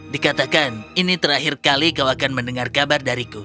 dikatakan ini terakhir kali kau akan mendengar kabar dariku